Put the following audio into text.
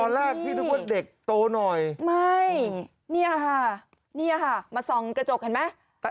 ตอนล่างพี่นึกว่าเด็กโตหน่อยนี่ค่ะมาทรงกระจกเห็นไหม